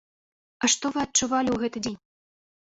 А што вы адчувалі ў гэты дзень?